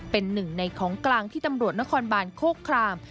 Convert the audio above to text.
เป็นหนึ่งในของกลางที่ตำรวจนครบานโคคราม